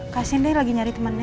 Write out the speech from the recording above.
kasihnya dia lagi nyari temennya